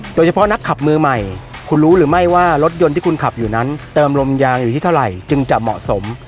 โดยเฉพาะนักขับมือใหม่คุณรู้หรือไม่ว่ารถยนต์ที่คุณขับอยู่นั้นเติมลมยางอยู่ที่เท่าไหร่จึงจะเหมาะสม